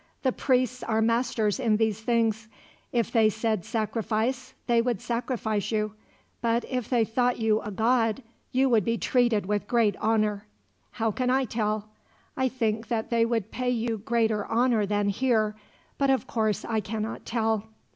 "The priests are masters in these things. If they said sacrifice, they would sacrifice you; but if they thought you a god, you would be treated with great honor. How can I tell? I think that they would pay you greater honor than here, but of course I cannot tell."